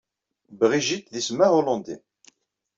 Brigitte d isem ahulandi.